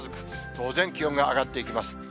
当然、気温が上がっていきます。